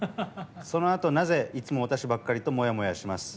そのあと、なぜいつも私ばっかりとモヤモヤします。